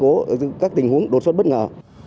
đối với các tình huống đột xuất bất ngờ